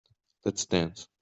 Let's dance.